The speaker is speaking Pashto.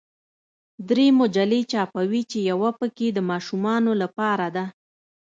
درې مجلې چاپوي چې یوه پکې د ماشومانو لپاره ده.